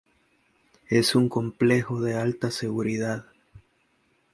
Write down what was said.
Es un complejo de alta seguridad.